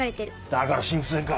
だから心不全か。